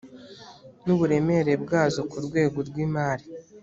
n uburemere bwazo ku rwego rw imari